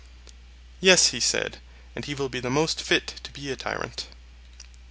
Yes, he said, and he will be the most fit to be a tyrant.